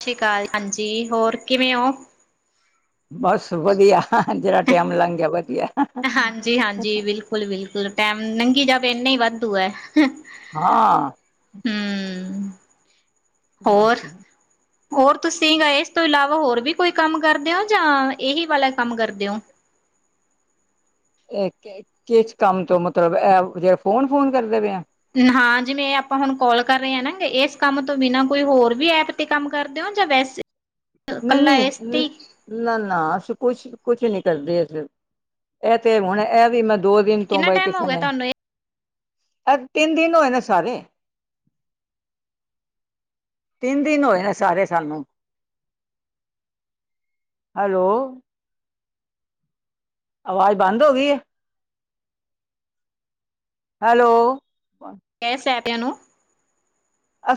ਸਤਿ ਸ਼੍ਰੀ ਅਕਾਲ ਹਾਂਜੀ ਹੋਰ ਕਿਵੇਂ ਹੋ? ਬਸ ਵਧੀਆ ਜਿਹੜਾ ਟਾਈਮ ਲੰਘ ਗਿਆ ਵਧੀਆ ਹਾਂਜੀ ਹਾਂਜੀ ਬਿਲਕੁਲ ਬਿਲਕੁਲ ਟੈਮ ਨੰਘੀ ਜਾ ਇਨੇ ਹੀ ਵਾਧੂ ਹੈ ਹਾਂ ਹੂੰ ਬਸ ਜੀ ਹੋਰ ਤੁਸੀਂ ਇਸ ਤੋਂ ਇਲਾਵਾ ਹੋਰ ਵੀ ਕੋਈ ਕੰਮ ਕਰਦੇ ਹੋ ਜਾਂ ਇਹੀ ਵਾਲਾ ਕੰਮ ਕਰਦੇ ਹੋ। ਇਹ ਕਿਸ ਕੰਮ ਤੋਂ ਮਤਲਬ ਇਹ ਜਿਹੜਾ ਫੋਨ ਫੋਨ ਕਰਦੇ ਪਏ ਆ ਹਾਂ ਜਿਵੇਂ ਆਪਾਂ ਹੁਣ ਕਾਲ ਕਰ ਰਹੇ ਹਾਂ ਨਾ ਗੇ ਇਸ ਕੰਮ ਤੋਂ ਬਿਨਾਂ ਕੋਈ ਹੋਰ ਵੀ ਐਪ ਤੇ ਕੰਮ ਕਰਦੇ ਹੋ ਜਾਂ ਵੈਸੇ ਨਹੀਂ ਕੱਲਾ ਇਸ ਤੇ ਨਹੀਂ ਹੀ ਨਾ ਨਾ ਅਸੀਂ ਕੁਛ ਕੁਛ ਨੀ ਕਰਦੇ ਅਸੀਂ ਇਹ ਤੇ ਹੁਣ ਇਹ ਵੀ ਮੈਂ ਦੋ ਦਿਨ ਤੋਂ ਕਿੰਨਾ ਬਾਈ ਟਾਈਮ ਹੋ ਕਿਸੇ ਗਿਆ ਨੇ ਤੁਹਾਨੂੰ ਅ ਤਿੰਨ ਦਿਨ ਹੋਏ ਨੇ ਸਾਰੇ ਤਿੰਨ ਦਿਨ ਹੋਏ ਨੇ ਸਾਰੇ ਸਾਨੂੰ ਹੈਲੋ? ਆਵਾਜ਼ ਬੰਦ ਹੋ ਗਈ ਹੈ। ਹੈਲੋ? ਏਸ ਐਪਿ ਆਂ ਨੂੰ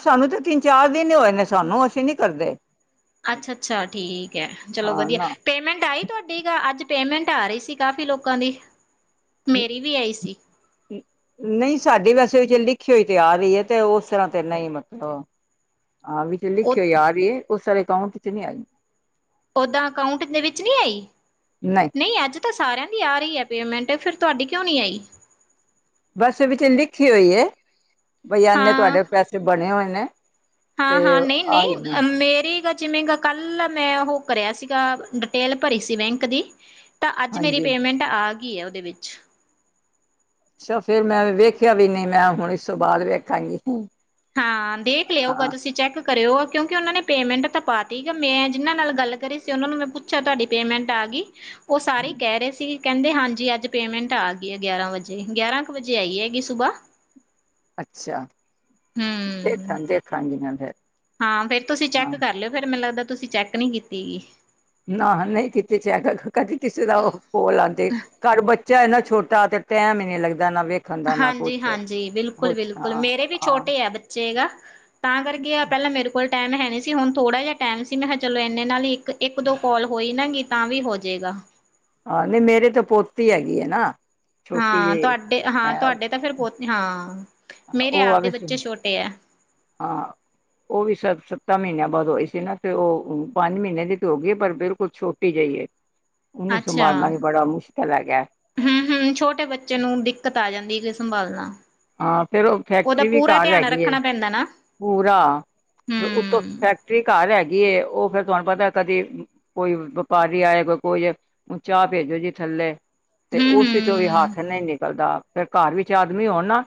ਸਾਨੂੰ ਤਾਂ ਤਿੰਨ ਚਾਰ ਦਿਨ ਹੋਏ ਨੇ ਸਾਨੂੰ ਅਸੀਂ ਨੀ ਕਰਦੇ, ਅੱਛਾ-ਅੱਛਾ ਠੀਕ ਹੈ, ਚਲੋ ਹਾਂ ਵਧੀਆ, ਨਾ ਪੇਮੈਂਟ ਆਈ ਤੁਹਾਡੀ ਗ ਅੱਜ। ਪੇਮੈਂਟ ਆ ਰਹੀ ਸੀ, ਕਾਫੀ ਲੋਕਾਂ ਦੀ। ਮੇਰੀ ਵੀ ਆਈ ਸੀ। ਨਹੀਂ ਸਾਡੀ ਵੈਸੇ ਚ ਲਿਖੀ ਹੋਈ ਤੇ ਆ ਰਹੀ ਹੈ ਤੇ ਉਸ ਤਰ੍ਹਾਂ ਤੇ ਨਹੀ ਮਤਲਬ। ਆਹ ਵੀ ਚ ਲਿਖੀ ਉਹ ਹੋਈ ਆ ਰਹੀ ਹੈ। ਉਸ ਵਾਲੇ ਅਕਾਂਟ ਚ ਨਹੀਂ ਆਈ। ਓਦਾਂ ਅਕਾਊਂਟ ਦੇ ਵਿੱਚ ਨੀ ਆਈ, ਨਹੀਂ ਅੱਜ ਤਾਂ ਸਾਰਿਆਂ ਦੀ ਆ ਰਹੀ ਹੈ ਪੇਮੈਂਟ। ਤੇ ਫਿਰ ਤੁਹਾਡੀ ਕਿਉਂ ਨਹੀਂ ਆਈ? ਬੱਸ ਵਿੱਚ ਲਿਖੀ ਹੋਈ ਹੈ। ਬਈ ਇਨੇ ਤੁਹਾਡੇ ਪੈਸੇ ਬਣੇ ਹੋਏ। [unintelligible] ਤੇ ਹਾਂ-ਹਾਂ, ਨਹੀਂ- ਆਈ ਨੇ ਨਹੀਂ, ਮੇਰੀ ਗੱ ਜਿਵੇਂ ਗ ਕੱਲ ਮੈਂ ਉਹ ਕਰਿਆ ਸੀਗਾ, ਡਿਟੇਲ ਭਰੀ ਸੀ ਬੈਂਕ ਦੀ। ਤਾਂ, ਅੱਜ ਮੇਰੀ ਹਾਂਜੀ ਪੇਮੈਂਟ ਆ ਗ ਕੀ ਐ, ਉਹਦੇ ਵਿੱਚ ਤਾਂ ਫੇਰ, ਮੈਂ ਵੇਖਿਆ ਵੀ ਨਹੀਂ, ਮੈਂ ਹੁਣ ਇਸ ਤੋਂ ਬਾਅਦ ਵੇਖਾਂਗੀ। ਹਾਂ, ਦੇਖ ਲਿਆਓਗਾ, ਹਾਂ ਤੁਸੀਂ ਚੈੱਕ ਕਰਿਓ, ਕਿਉਂਕਿ ਉਹਨਾਂ ਨੇ ਪੇਮੈਂਟ ਤਾਂ ਪਾਤੀ ਗਾ, ਮੈਂ ਜਿਹਨਾਂ ਨਾਲ ਗੱਲ ਕਰੀ ਸੀ ਉਹਨਾਂ ਨੂੰ ਮੈਂ ਪੁੱਛਿਆਂ, ਤੁਹਾਡੀ ਪੇਮੈਂਟ ਆ ਗਈ? ਉਹ ਸਾਰੇ ਹੀ ਕਹਿ ਰਹੇ ਸੀ ਕਹਿੰਦੇ ਹਾਂਜੀ, ਅੱਜ ਪੇਮੈਂਟ ਆ ਗਈ ਆ, ਗਿਆਰਾਂ ਵਜੇ ਗਿਆਰਾਂ ਕੁ, ਵਜੇ ਆਈ ਹੈਗੀ ਸੁਬਾਹ। ਅੱਛਾ। ਹੂੰ, ਦੇਖਾਂ ਦੇਖਾਂਗੀ ਮੈਂ ਫਿਰ ਹਾਂ ਫੇਰ ਤੁਸੀਂ ਹਾਂ ਚੈੱਕ ਕਰ ਲਿਓ, ਫੇਰ ਮੈਨੂੰ ਲੱਗਦਾ ਤੁਸੀਂ ਚੈੱਕ ਨਹੀ ਕੀਤੀ ਗੀ। ਨਾ-ਨਹੀਂ ਕੀਤੀ ਚੈਕ ਗਾ, ਕਦੀ ਕਿਸੇ ਦਾ ਉਹ ਕੋਲ ਆਉਂਦੇ, ਘਰ ਬੱਚੇ ਚੇ ਇਨ੍ਹਾਂ ਛੋਟਾ, ਤੇ ਟੈਮ ਇ ਨੀ ਲੱਗਦਾ ਨਾ ਵੇਖਣ ਦਾ ਨਾ ਕੁਛ ਹਾਂਜੀ-ਹਾਂਜੀ, ਬਿਲਕੁਲ ਬਹੁਤ -ਬਿਲਕੁਲ, ਹਾਂ ਮੇਰੇ ਵੀ ਹਾਂ ਛੋਟੇ ਆ ਬੱਚੇ ਗਾ। ਤਾਂ ਕਰਕੇ ਆ, ਪਹਿਲਾਂ ਮੇਰੇ ਕੋਲ ਟਾਈਮ ਹੈ ਨਹੀਂ ਸੀ, ਹੁਣ ਥੋੜਾ ਜਿਹਾ ਟਾਈਮ ਸੀ, ਮੈਂ ਕਿਹਾ ਚਲੋ ਇੰਨੇ ਨਾਲ ਹੀ ਇੱਕ-ਦੋ ਕੋਲ ਹੋਈ ਨਾ ਤਾਂ ਵੀ ਹੋ ਜੇਏਗਾ। ਆਹ, ਨਹੀਂ ਮੇਰੇ ਤਾਂ ਪੋਤੀ ਹੈਗੀ ਹੈ ਨਾ। ਛੋਟੀ ਹਾਂ, ਜਿਹੀ ਤੁਹਾਡੇ ਹਾਂ ਤੁਹਾਡੇ ਤਾਂ ਫਿਰ ਪੋਤ ਹਾਂ। ਮੇਰੇ ਉਹ ਆ ਆਪਦੇ ਸ, ਬੱਚੇ ਛੋਟੇ ਐ ਹਾਂ ਉਹ ਵੀ ਸਭ ਸੱਤਾਂ ਮਹੀਨਿਆਂ ਬਾਅਦ ਹੋਈ ਸੀ ਨਾ, ਤੇ ਉਹ -ਉਹ ਪੰਜ ਮਹੀਨੇਂ ਦੀ ਤੇ ਹੋ ਗਈ ਐ, ਪਰ ਬਿਲਕੁਲ ਛੋਟੀ ਜਿਹੀ ਐ। ਅੱਛਾ ਹੂੰ-ਹੂੰ, ਛੋਟੇ ਬੱਚੇ ਨੂੰ ਦਿੱਕਤ ਆ ਜਾਂਦੀ ਸੰਭਾਲਣਾ ਹਾਂ, ਫੇਰ ਉਹ ਉਹਦਾ ਫੈਕਟਰੀ ਵੀ ਪੂਰਾ ਘਰ ਧਿਆਨ ਹੈਗੀ ਐ। ਰੱਖਣਾ ਪੈਂਦਾ ਨਾ ਪੂਰਾ, ਉਤੋਂ ਹੂੰ-ਹੂੰ-ਹੂੰ। ਫੈਕਟਰੀ ਘਰ ਹੈਗੀ, ਉਹ ਫੇਰ ਤੁਹਾਨੂੰ ਪਤਾ, ਕਦੀ ਕੋਈ ਵਪਾਰੀ ਆਏ ਕੋ ਕੋਈ ਚਾਹ ਭੇਜੋ ਜੀ ਥੱਲੇ ਤੇ ਉਸ ਵਿੱਚੋਂ ਵੀ ਹੱਥ ਨਹੀਂ ਨਿਕਲਦਾ। ਫਿਰ ਘਰ ਵਿੱਚ ਆਦਮੀ ਹੋਣ ਨਾ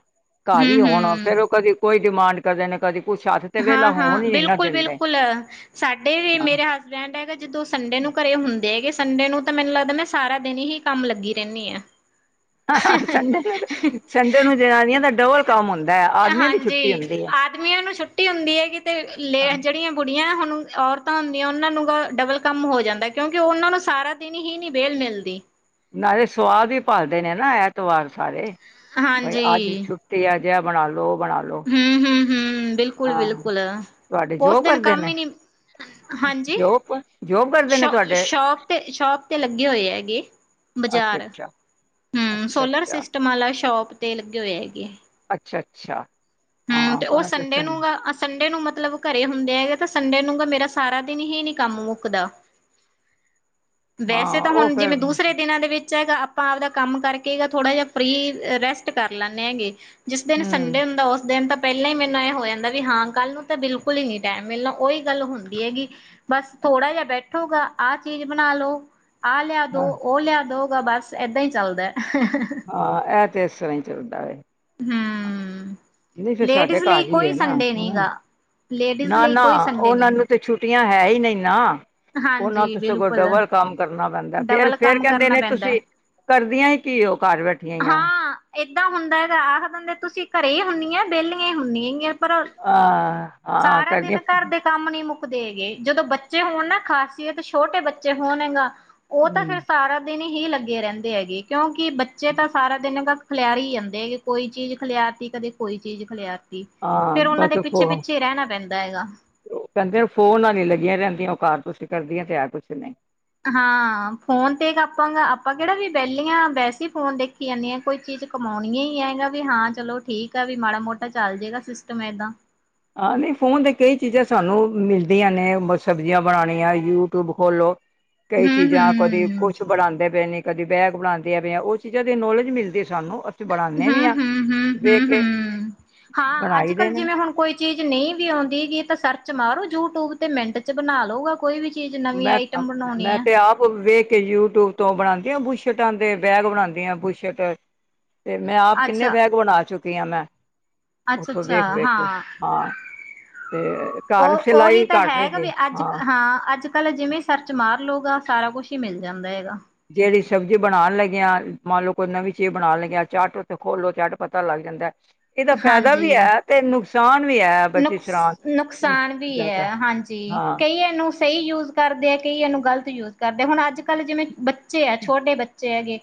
ਘਰ ਹੀ ਆਣਾ, ਹੂੰ-ਹੂੰ ਫੇਰ ਉਹ ਕਦੀ ਕੋਈ ਡਿਮਾਂਡ ਨੇ ਕਦੀ ਕੁਛ ਹੱਥ ਤੇ ਵਿਹਲਾ ਹਾਂ ਹਾਂ ਹੋਣ ਹੀ ਨੀ ਨਾ ਬਿਲਕੁਲ ਦਿੰਦੇ ਬਿਲਕੁਲ, ਸਾਡੇ ਵੀ ਹਾਂ ਮੇਰੇ ਹਸਬੈਂਡ ਹੈਗਾ ਜਦੋਂ ਸੰਡੇ ਨੂੰ ਘਰੇ ਹੁੰਦੇ ਹੈਗੇ ਸੰਡੇ ਨੂੰ ਤਾਂ ਮੈਨੂੰ ਲੱਗਦਾ, ਮੈਂ ਸਾਰਾ ਦਿਨ ਹੀ ਕੰਮ ਲੱਗੀ ਰਹਿੰਨੀ ਆ। ਸੰਡੇ ਨੂੰ ਸੰਡੇ ਨੂੰ ਜਨਾਨੀਆਂ ਦਾ ਡਬਲ ਕੰਮ ਹੁੰਦਾ ਐ। ਆਦਮੀਆਂ ਦੀ ਛੁੱਟੀ ਹਾਂਜੀ। ਹੁੰਦੀ ਐ। ਆਦਮੀਆਂ ਨੂੰ ਛੁੱਟੀ ਹੁੰਦੀ ਏ ਕਿਤੇ ਲ ਜੇੜੀਆਂ ਗੁੜੀਆਂ- ਹੁਣ ਔਰਤਾਂ ਹੁੰਦੀਆਂ ਉਨਾਂ ਨੂੰ ਵੀ ਘ ਡਬਲ ਕੰਮ ਹੋ ਜਾਂਦਾ। ਕਿਉਂਕਿ ਉਨਾਂ ਨੂੰ ਸਾਰਾ ਦਿਨ ਹੀ ਨੀ ਵੇਹਲ ਮਿਲਦੀ। ਨਾਲੇ ਸੁਆਦ ਵੀ ਭਾਲਦੇ ਨੇ ਨਾ ਐਤਵਾਰ ਸਾਰੇ। ਬਾਈ ਹਾਂਜੀ, ਅੱਜ ਛੁੱਟੀ ਆ- ਜਹ ਬਣਾ ਲਓ। ਬਣਾ ਲੋ। ਹੂੰ ਹੂੰ ਬਿਲਕੁਲ ਹਾਂ ਬਿਲਕੁਲ ਤੁਹਾਡੇ ਉਸ ਜੋ ਦਿਨ ਕਰਦੇ ਨੇ ਕੰਮ ਈ ਨੀ- ਹਾਂਜੀ। ਜੋਬ ਜੋਬ ਕਰਦੇ ਨੇ ਸ਼ੋ ਤੁਹਾਡੇ ਸ਼ੋਪ 'ਤੇ ਸ਼ੋਪ ਤੇ ਲੱਗੇ ਹੋਏ ਹੈਗੇ। ਅੱਛਾ ਬਜ਼ਾਰ- ਅੱਛਾ ਅੱਛਾ ਅੱਛਾ ਹੂੰਅ-ਸੋਲਰ ਸਿਸਟਮ ਆਲਾ- ਸ਼ੋਪ ਤੇ ਲੱਗੇ ਹੋਏ ਹੈਗੇ ਆ। ਅੱਛਾ ਅੱਛਾ। ਹੂੰਅ ਹਾਂ ਤੇ ਓ ਸੰਡੇ ਪੜ੍ਹਨ ਨੂੰ ਘ ਸੰਡੇ ਨੂੰ ਮਤਲਬ ਘਰੇ ਹੁੰਦੇ ਹੈਗੇ ਤਾਂ ਸੰਡੇ ਨੂੰ ਮੇਰੇ ਤਾਂ ਸਾਰਾ ਦਿਨ ਹੀ ਨੀ ਕੰਮ ਮੁੱਕਦਾ। ਵੈਸੇ ਹਾਂ ਤਾਂ ਉਹ ਹੁਣ ਫਿਰ ਜਿਵੇਂ ਦੂਸਰੇ ਦਿਨਾਂ ਦੇ ਵਿੱਚ- [unintelligible] ਆਪਾਂ ਆਵਦਾ ਕੰਮ ਕਰਕੇਗਾ ਥੋੜ੍ਹਾ ਜਿਆ ਫ੍ਰੀ ਰੈਸਟ ਕਰ ਲੈਂਨੇ। ਹੈਗੇ ਜਿਸ ਦਿਨ ਹਮ ਸੰਡੇ ਹੁੰਦਾ ਉਸ- ਦਿਨ ਤਾਂ ਪਹਿਲਾਂ ਈ ਮੈਨੂੰ ਏ ਹੋ ਜਾਂਦਾ ਵੀ ਹਾਂ ਕੱਲ ਨੂੰ ਤਾਂ ਬਿਲਕੁਲ ਈ ਨੀ ਟੈਮ ਮਿਲਣਾ। ਉਹੀ ਗੱਲ ਹੁੰਦੀ ਹੈਗੀ। ਬਸ ਥੋੜਾ ਜਿਹਾ ਬੈਠੋਗਾ। ਆਹ ਚੀਜ਼ ਬਣਾ ਲੋ- ਆ ਲਿਆ ਹਾਂ ਦੋ ਓ ਲਿਆ ਦੋ। ਤਾਂ ਬਸ ਏਦਾਂ ਈ ਚੱਲਦਾ। ਹਾਂ ਐ ਤੇ ਇਸ ਤਰ੍ਹਾਂ ਈ- ਚਲਦਾ ਏ। ਹੂੰਅ ਨਈ ਫਿਰ ਸਾਡੇ ਘਰ ਈ ਏ ਨਾ ਹੂੰ। ਗਾ ਲੇਡੀਜ਼ ਨਾ ਲਈ ਨਾ ਕੋਈ ਸੰਡੇ ਉਨਾਂ ਨਹੀਂ ਨੂੰ ਤੇ ਛੁੱਟੀ ਹੈ ਈ ਨਈ ਨਾ। ਉਹ ਨੂੰ ਹਾਂਜੀ ਤ ਸਗੋਂ ਬਿਲਕੁਲ ਡਬਲ ਕੰਮ ਕਰਨਾ ਪੈਂਦਾ। ਫਿਰ ਡਬਲ - ਫਿਰ ਕੰਮ ਕੇਂਦੇ ਕਰਨਾ ਨੇ ਪੈਂਦਾ ਤੁਸੀਂ ਕਰਦੀਆਂ ਈ ਕੀ ਓ? ਘਰ ਬੈਠੀਆਂ ਈਆ। ਹਾਂ ਏਦਾਂ ਹੁੰਦਾ ਐ ਆਖ ਦ ਦੰਦੇ ਤੁਸੀਂ ਘਰੇ ਈ ਹੁੰਨੀਆ ਵੇਲੀਆਂ ਈ ਹੁੰਨੀਆਂ ਪਰ ਆਹ ਆ ਸਾਰਾ ਕਰਦੀਆਂ ਦਿਨ ਫ- ਘਰ ਦੇ ਗੇ। ਜਦੋਂ ਬੱਚੇ ਹੋਣ ਨਾ ਖਾਸੀਅਤ ਛੋਟੇ ਬੱਚੇ ਹੋਣ ਗਾ। ਓ ਤਾਂ ਹਮ ਫਿਰ ਸਾਰਾ ਦਿਨ ਈ - ਹੀ ਲੱਗੇ ਰਹਿੰਦੇ ਐਗੇ ।ਕਿਉਂਕਿ ਬੱਚੇ ਤਾਂ ਸਾਰਾ ਦਿਨ ਖਿਲਿਆਰੀ ਈ ਜਾਂਦੇ ।ਕਦੇ ਕੋਈ ਚੀਜ਼ ਖਿਲਿਆਰਤੀ, ਕਦੇ ਕੋਈ ਚੀਜ਼ ਖਿਲਿਆਰਤੀ। ਹਾਂ ਫਿਰ ਬ ਉਹਨਾਂ ਦੇ ਪਿੱਛੇ ਪੋਹਾ ਪਿੱਛੇ ਰਹਿਣਾ ਪੈਂਦਾ ਹੈਗਾ ਕਹਿੰਦੇ ਫੋਨਾਂ ਦੀ ਲੱਗੀਆਂ ਰਹਿੰਦੀਆਂ ਉਹ ਕਾਰ ਤੁਸੀਂ ਕਰਦੀਆਂ ਤੇ ਹੈ ਕੁਛ ਨਹੀਂ ਹਾਂ ਫੋਨ ਤੇ ਆਪਾਂ ਆਪਾਂ ਕਿਹੜਾ ਵੀ ਵਹਲੀਆਂ ਵੈਸੇ ਹੀ ਫੋਨ ਦੇਖੀ ਜਾਂਦੀ ਹੈ ਕੋਈ ਚੀਜ਼ ਕਮਾਣੀ ਹੀ ਆਗਾ ਵੀ ਹਾਂ ਚਲੋ ਠੀਕ ਆ ਵੀ ਮਾੜਾ ਮੋਟਾ ਚੱਲ ਜਾੇਗਾ ਸਿਸਟਮ ਏਦਾਂ ਹਾਂ ਧਆ ਨੇ ਸਬਜ਼ੀਆਂ ਬਣਾਉਣੀਆਂ ਯੂਟਿਊਬ ਖੋਲੋ ਕਈ ਹੂੰ ਚੀਜ਼ਾਂ ਕਦੀ ਹੂੰ ਕੁਛ ਬਣਾਉਂਦੇ ਪਏ ਨੇ ਕਦੇ ਬੈਗ ਬਣਾਉਂਦੇ ਆ ਪ ਜਾਂ ਉਹ ਚੀਜ਼ਾਂ ਦੇ ਨੌਲੇਜ ਮਿਲਦੇ ਸਾਨੂੰ ਅਸੀਂ ਬਣਾਉਂਦੇ ਵੀ ਹਮ ਹਾਂ ਹਾਂ ਹਾਂ ਵੇਖ ਕੇ ਹਮ ਹਾਂ ਅੱਜ ਬਣਾਈ ਦੇ ਕੱਲ੍ਹ ਨੇ ਜਿਵੇਂ ਹੁਣ ਕੋਈ ਚੀਜ਼ ਨਹੀਂ ਵੀ ਆਉਂਦੀ ਤਾਂ ਸਰਚ ਮਾਰੋ ਯੂਟਿਊਬ ਤੇ ਮਿੰਟ ਚ ਬਣਾ ਲੂਗਾ ਕੋਈ ਵੀ ਚੀਜ਼ ਨਵੀਂ ਮੈਂ ਆਈਟਮ ਬਣਾਉਣੀ ਮੈਂ ਆ ਤੇ ਆਪ ਵੇਖ ਕੇ ਯੂਟਊਬ ਤੋ ਬਣਾਉਦੀਆਂ ਬੂਸ਼ਟਾਂ ਦੇ ਬੈਗ ਬਣਾਉਂਦੀਆਂ ਬੂਸ਼ਟ ਤੇ ਮੈਂ ਆਪ ਕਿੰਨੇ ਅੱਛਾ ਬੈਗ ਬਣਾ ਚੁੱਕ ਤੀਆਂ ਮੈਂ ਅੱਛਾ ਉੱਥੋਂ ਅੱਛਾ ਵੇਖ ਵੇਖ ਕੇ ਹਾਂ ਹਾਂ ਤੇ ਘਰ ਉਹ ਉਹੀ ਸਿਲਾਈ ਤਾਂ ਕਟ ਰਹੇ ਹੈਗਾ ਜ ਵੀ ਅੱਜ ਹਾਂ ਅੱਜ ਕੱਲ ਜਿਵੇਂ ਸਰਚ ਮਾਰ ਲਉਗਾ ਸਾਰਾ ਕੁਛ ਹੀ ਮਿਲ ਜਾਂਦਾ ਹੈਗਾ ਜਿਹੜੀ ਸਬਜ਼ੀ ਬਣਾਉਣ ਲੱਗਿਆ ਮੰਨ ਲਓ ਕੋਈ ਨਵੀਂ ਚੀਜ਼ ਬਣਾਉਣ ਲੱਗਿਆ ਚੱਟ ਉੱਥੇ ਖੋਲੋ ਚੱਟ ਪਤਾ ਲੱਗ ਜਾਂਦਾ ਇਹਦਾ ਫਾਇਦਾ ਵੀ ਹੈ ਤੇ ਨੁਕਸ [unintelligible] ਨੁਕ ਨੁਕਸਾਨ ਵੀ ਹੈ ਹਾਂਜੀ ਹਾਂ ਕਈ ਇਨੂੰ ਸਹੀ ਜੂਸ ਕਰਦੇ ਆ ਕਈ ਇਹਨ ਨੂੰ ਗ਼ਲਤ ਯੂਜ ਕਰਦੇ ਹੁਣ ਅੱਜ ਕੱਲ੍ਹ ਜਿਵੇਂ ਬੱਚ ਜੂਸ ਬੱਚੇ ਆ ਛੋਟੇ ਬੱਚੇ ਹੈਗੇ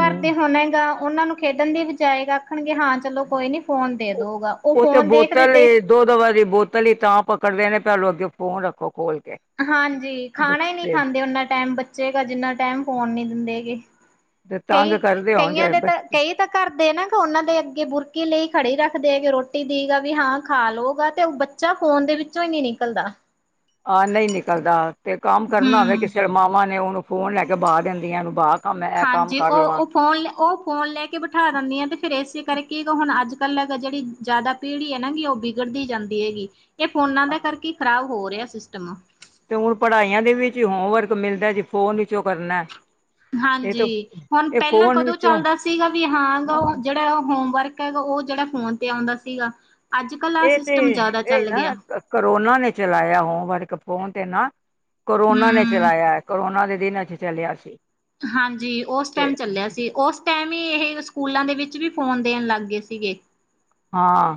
ਘਰਦੇ ਹੁਣ ਹੈਗਾ ਉਹਨਾਂ ਨੂੰ ਖੇਡਣ ਦੀ ਬਜਾਏ ਆਖਣਗੇ ਹਾਂ ਚਲੋ ਕੋਈ ਨਹੀਂ ਫੋਨ ਦੇ ਦਊਗਾ ਉਹ ਤੇ ਫੋਨ ਦੇਖਦੇ ਬੋਤਲ ਦੇਖ ਏ, ਦੋ ਦੋ ਵਾਰੀ ਬੋਤਲ ਹੀ ਤਾਂ ਪਕੜਿਆ ਨੇ ਭੈਲੂੰ ਅੱਗੇ ਫੋਨ ਰੱਖੋ ਖੋਲ ਕੇ ਹਾਂਜੀ ਖਾਣਾ ਹੀ ਨਹੀਂ ਬੱਚੇ ਖਾਂਦੇ ਓਨਾ ਟਾਈਮ ਬੱਚੇ ਜਿੰਨਾ ਟਾਈਮ ਫੋਨ ਨੀ ਦਿੰਦੇ ਹੈਗੇ ਤੇ ਤੰਗ ਕਈ ਕਰਦੇ ਕਈਆਂ ਹੋਣਗੇ ਦੇ ਤਾਂ ਬੱਚੇ ਕਈ ਤਾਂ ਘਰਦੇ ਨਾ ਫੋਨਾ ਦੇ ਅੱਗੇ ਬੁਰਕੀ ਲਈ ਖੜੇ ਰਹਿੰਦੇ। ਦੇ ਕੇ ਰੋਟੀ ਦੀ ਗ ਵੀ ਹਾਂ ਖਾ ਲਉਗਾ ਤੇ ਬੱਚਾ ਫ਼ੋਨ ਦੇ ਵਿੱਚੋਂ ਹੀ ਨੀ ਨਿਕਲਦਾ। ਹਾਂ ਨਹੀਂ ਨਿਕਲਦਾ। ਤੇ ਕੰਮ ਕਰਨਾ ਹੋਵੇ ਹਮ ਕਿਸੇ ਮਾਵਾ ਨੇ ਓਦੋਂ ਫੋਨ ਲੈ ਕੇ ਬਾਾਹ ਦਿੰਦੀਆਂ ਨੂੰ ਬਾਾਹ [inaudible] ਹਾਂਜੀ ਉਹ ਉਹ ਫੋਨ ਉਹ ਫੋਨ ਲੈ ਕੇ ਬਿਠਾ ਦਿੰਦੀਆਂ ਤੇ ਫਿਰ ਇਸ ਕਰਕੇ ਹੁਣ ਅੱਜ ਕੱਲ੍ਹ ਜਿਹੜੀ ਜਿਆਦਾ ਪੀੜੀ ਹੈ ਨਾ ਉਹ ਵਿਗੜਦੀ ਜਾਂਦੀ। ਇਹ ਫੋਨਾਂ ਦੇ ਕਰਕੇ ਖ਼ਰਾਬ ਹੋ ਰਿਹਾ ਸਿਸਟਮ ਤੇ ਹੁਣ ਪੜ੍ਹਾਈਆਂ ਦੇ ਵਿੱਚ ਹੋਮਵਰਕ ਮਿਲਦਾ ਜੀ ਫੋਨ ਵਿੱਚੋਂ ਕਰਨਾ ਇਹ ਹਾਂਜੀ, ਤਾਂ ਹੁਣ ਇਹ ਪਹਿਲਾਂ ਫੋਨ ਕਦੋਂ ਵਿੱਚੋਂ ਚੱਲਦਾ ਸੀਗਾ ਵੀ ਹਾਂ ਔਹ ਜੇੜਾਔਹ ਹੋਮਵਰਕ । ਹੈਗਾ ਔਹ ਜਿਹੜਾ ਫੋਨ ਤੇ ਆਉਂਦਾ ਸੀਗਾ। ਅੱਜ ਕੱਲ ਆਹ ਇਹ ਤੇ ਸਿਸਟਮ ਜ਼ਿਆਦਾ ਇਹ ਚੱਲ ਨਾ ਗਿਆ ਕਰੋਨਾ ਨੇ ਚਲਾਇਆ ਹੋਮਵਰਕ। ਫੋਨ ਤੇ ਨਾ। ਕਰੋਨਾ ਨੇ ਹੂੰ ਚਲਾਇਆ, ਕਰੋਨਾ ਦੇ ਦਿਨਾਂ ਚ ਚਲਿਆ ਸੀ। ਹਾਂਜੀ, ਉਸ ਤੇ ਟਾਇਮ ਚੱਲਿਆ ਸੀ, ਉਸ ਟਾਇਮ ਵੀ ਇਹ ਸਕੂਲਾਂ ਦੇ ਵਿੱਚ ਵੀ ਫੋਨ ਦੇਣ ਲੱਗ ਗਏ ਸੀਗੇ। ਹਾਂ।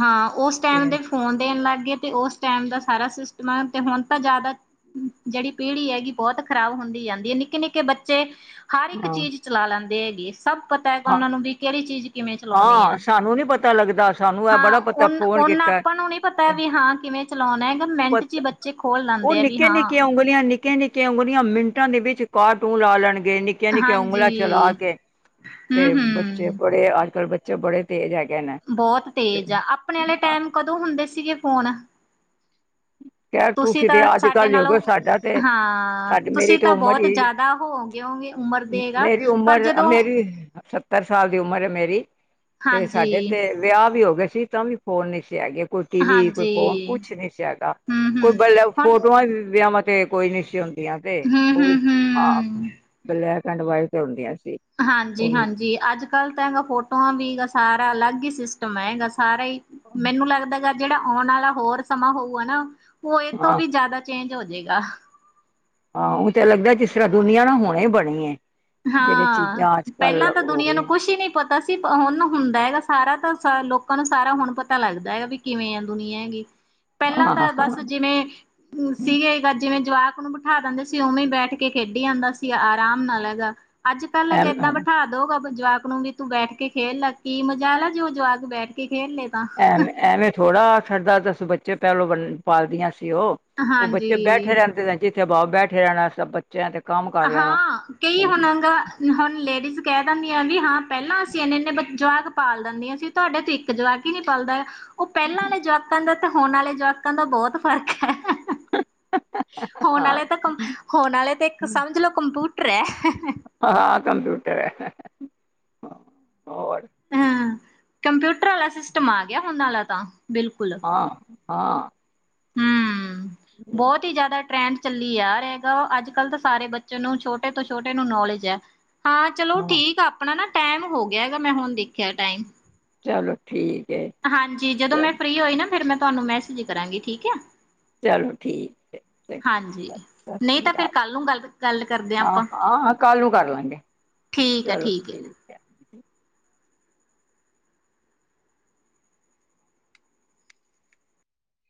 ਹਾਂ, ਉਸ ਤੇ ਟਾਈਮ ਦੇ ਫੋਨ ਦੇਣ ਲਗ । ਲੱਗੇ ਤੇ ਉਸ ਟਾਈਮ ਦਾ ਸਾਰਾ ਸਿਸਟਮ ਆ ਤੇ ਹੁਣ ਤਾਂ ਜਿਆਦਾ ਜਿਹੜੀ ਪੀੜ੍ਹੀ ਹੈਗੀ ਬਹੁਤ ਖ਼ਰਾਬ ਹੁੰਦੀ ਜਾਂਦੀ ਤੇ, ਨਿੱਕੇ-ਨਿੱਕੇ ਬੱਚੇ ਹਰ ਇੱਕ ਹਾਂ ਚੀਜ਼ ਚਲਾ ਲੈਂਦੇ ਏ, ਜ ਸਭ ਪਤਾ ਹੈ, ਹਾਂ ਉਹਨਾਂ ਨੂੰ ਵੀ ਕਿਹੜੀ ਚੀਜ਼ ਕਿਵੇਂ ਚਲਾਉਣੀ ਹਾਂ ਹੈ। ਸਾਨੂੰ ਨੀ ਪਤਾ ਲੱਗਦਾ। ਸਾਨੂੰ ਇਹ ਹਾਂ, ਬੜਾ ਪਤਾ ਉਨਾਂ ਫੋਨ ਉਨਾਂ ਕੀਤਾ ਆਪਾਂ ਨੂੰ ਨੀ ਪਤਾ ਵੀ ਹਾਂ ਕਿਵੇਂ ਚਲਾਉਣਾ ਹੈਗਾ ਮਿੰਟ ਚ ਹੀ ਪਤਾ ਬੱਚੇ ਖੋਲ ਉਹ ਲੈਂਦੇ ਆ ਵੀ ਨਿੱਕੀਆਂ ਹਾਂ। ਮਿੰਟਾ ਦੇ ਵਿੱਚ ਕਾਰਟੂਨ ਲਾ ਲੈਣ ਗੇ ਨਿਕਿਆ ਨਿਕਿਆ ਉਂਗਲਾਂ ਚਲਾ ਹਾਂਜੀ ਕੇ। ਹੂੰ ਤੇ ਬੱਚੇ ਹੂੰ ਬੜੇ ਆ ਅੱਜਕਲ ਬੱਚੇ ਬੜੇ ਤੇਜ਼ ਹੈਗੇ। ਨੇ ਬਹੁਤ ਤੇ ਤੇਜ ਆ ਆਪਣੇ ਆਲੇ ਹਾਂ ਟਾਇਮ ਕਦੋਂ ਹੁੰਦੇ ਸੀਗੇ ਫੋਨ‌। ਖੈਰ ਤੁਸੀਂ ਤੇ ਤਾਂ ਅੱਜ ਸਾਡੇ ਕੱਲ੍ਹ ਹੋ ਨਾਲੋਂ ਗਏ ਸਾਡਾ ਤੇ ਹਾਂ ਸਾਡੀ ਮੇਰੀ ਤੁਸੀਂ ਤੇ ਤਾਂ ਉਮਰ ਬਹੁਤ ਹੀ ਜਿਆਦਾ ਹੋ ਗਏ ਹੋਵੋਗੇ ਉਮਰ ਦੇ ਨਾ ਮੇਰੀ ਪਰ ਉਮਰ ਜਦੋਂ ਮੇਰੀ ਸੱਤਰ ਸਾਲ ਦੀ ਉਮਰ ਹੈ ਮੇਰੀ। ਤੇ ਹਾਂਜੀ ਸਾਡੇ ਤੇ ਵਿਆਹ ਵੀ ਹੋ ਗਏ। ਸੀ, ਤਾਂ ਵੀ ਫੋਨ ਨੀ ਸੀ। ਦੇ ਹੈਗੇ ਕੋਈ ਟੀ ਵੀ ਕੋਈ ਹਾਂਜੀ ਫੋਨ ਕੁਛ ਨੀ ਸੀ, ਹੈਗ ਹੂੰ ਹੂੰ ਕੋਈ ਬਲਬ ਹੁਣ ਫੋਟੋਆਂ ਵੀ ਵਿਆਵਾ ਤੇ ਕੋਈ ਨੀ ਸੀ ਹੁੰਦ ਦੀਆਂ ਤੇ ਹੂੰ ਓਹ ਹੂੰ ਵੀ ਹਾਂ, ਹੂੰ ਬਲੈਕ ਪੈੰਟ ਵਾਈਟ ਹੁੰਦੀਆ ਸ ਹਾਂਜੀ ਹਾਂਜੀ, ਅੱਜ-ਕੱਲ ਤਾਂ ਹੈਗਾ ਫੋਟੋਆਂ ਵੀਗਾ ਸਾਰਾ ਅਲੱਗ ਹੀ ਸਿਸਟਮ ਹੈਗਾ। ਸਾਰਾ ਈ ਮੈਨੂੰ ਲੱਗਦਾ ਗਾ ਜੇੜਾ ਓਣ ਆ ਲਾ ਹੋਰ ਸਮਾਂ ਹੋਊਗਾ ਨਾ ਓ ਏ ਤੋਂ ਹਾਂ ਵੀ ਜਾਦਾ ਚੇਂਜ ਹੋ ।ਜੇਗਾ ਹਾਂ ਊ ਤੇ ਲੱਗਦਾ ਜਿਸ ਤਰ੍ਹਾਂ ਦੁਨੀਆਂ ਨਾ ਹੁਣੇ ਬਣੀ ਏ ਹਾਂ ਪੈਲਾਂ ਤਾਂ ਹੋ ਦੁਨੀਆਂ ਗਈਆਂ ਨੂੰ ਕੁੱਛ ਈ ਨੀ ਪ ਤਾਂ ਸੀ ਹੁਣ ਹੁੰਦਾ ਹੈਗਾ ਸਾਰਾ ਤਾਂ ਸ ਲੋਕਾਂ ਨੂੰ ਸਾਰਾ ਹੁਣ ਪਤਾ ਲੱਗਦਾ ਹੈਗਾ ਵੀ ਕਿਵੇਂ ਆ ਦੁਨੀਆਂ ਹੈਗੀ। ਪਹਿਲਾਂ ਹਾਂ ਤਾਂ ਹਾਂ ਬਸ ਜਿਵੇਂ ਸੀਗੇ ਗ ਜਿਵੇਂ ਜਵਾਕ ਨੂੰ ਬਿਠਾ ਦਿੰਦੇ ਸੀ ਓਵੇਂ ਈ ਬੈਠ ਕੇ ਖੇਡੀ ਜਾਂਦਾ ਸੀ ਆਰਾਮ ਨਾਲ ਹੈਗਾ। ਅੱਜ ਕੱਲ੍ਹ ਅੱਗੇ ਇੱਦਾਂ ਬਿਠਾ ਦੋਗਾ ਜਵਾਕ ਨੂੰ ਵੀ ਤੂੰ ਬੈਠ ਕੇ ਖੇਲ ਲਾ ਕੀ ਮਜ਼ਾਲ ਜੇ ਓ ਜਵਾਕ ਬੈਠ ਕੇ ਖੇਲ ਲਏ ਤਾਂ ਐਵੇ-ਐਵੇਂ ਥੋੜਾ ਛੱਡਦਾ ਦ ਬੱਚੇ ਪਹਿਲੋ ਬੰ ਪਾਲਦੀਆਂ ਸੀ। ਓ ਓ ਬੱਚੇ ਬੈਠੇ ਹਾਂਜੀ ਰਹਿੰਦੇ [unintelligible] [unintelligible] ਬੈਠੇ ਰੈਨਾ ਸਬ ਬ ਹਾਂ ਕਈ ਹੁਣ ਗ ਹੁਣ ਲੇਡੀਜ਼ ਕੈ ਦਨੀਆਂ ਵੀ ਹਾਂ ਪਹਿਲਾਂ ਅਸੀਂ ਇੰਨੇ ਇੰਨੇ ਜਵਾਕ ਪਾਲ ਦਿੰਦੀਆਂ ਸੀ ਤੁਹਾਡੇ ਤੋਂ ਇੱਕ ਜਵਾਕ ਈ ਨੀ ਪਲਦਾ ਓ ਪੈਲਾਂ ਆਲੇ ਜਵਾਕਾਂ ਦਾ ਹੁਣ ਆਲੇ ਜਵਾਕਾਂ ਦਾ ਬੋਤ ਫ਼ਰਕ ਐ ਹੁਣ ਆ ਲੇ ਹਾਂ ਤਾਂ ਕਮ ਹੁਣ ਆਲੇ ਤੇ ਸਮਝ ਲੋ ਕਮ ਟੂਟਰ ਐ ਹਾਂ ਕੰਪਿਊਟਰ ਐ ਹੋਰ ਹਾਂ ਕੰਪਿਊਟਰ ਆਲਾ ਸਿਸਟਮ ਆ ਗਿਆ ਹੁਣ ਆਲਾ ਤਾਂ ਬਿਲਕੁੱਲ ਹਾਂ ਹਾਂ। ਹੂੰ ਬੋਤ ਈ ਜਾਦਾ ਟ੍ਰੈਂਡ ਚੱਲੀ ਜਾ ਰਿਆਗਾ ਅੱਜ ਕੱਲ੍ਹ ਤਾਂ ਸਾਰੇ ਬੱਚੇ ਨੂੰ ਛੋਟੇ ਤੋਂ ਛੋਟੇ ਨੂੰ ਨੌਲੇਜ ਐ ਹਾਂ ਚਲੋ ਠੀਕ ਆ ਆਪਣਾ ਨਾ ਟੈਮ ਹੋ ਗਿਆ ਗਾ ਮੈਂ ਹੁਣ ਦੇਖਿਆ ਟਾਈਮ ਚਲੋ ਠੀਕ। ਹੈ ਹਾਂਜੀ ਜਦੋਂ ਚ ਮੈਂ ਫ੍ਰਰੀ ਹੋਈ ਨਾ ਫੇਰ ਮੈਂ ਤੁਹਾਨੂੰ ਮੈਸੇਜ ਕਰਾਂਗੀ ਠੀਕ ਇਆ ਚਲੋ ਠੀਕ ਐ ਹਾਂਜੀ ਸਤਿ ਨਹੀਂ ਸ੍ਰੀ ਤਾਂ ਫਿਰ ਅਕਾਲ ਕੱਲ ਨੂੰ ਗੱਲ ਗੱਲ ਕਰਦੇ ਹਾਂ ਆਪਾਂ ਹਾਂ ਕੱਲ ਨੂੰ ਕਰ ਲਾਂਗੇ ਠੀਕ ਹੈ ਚਲੋ ਹੈ ਠੀਕ ਐ।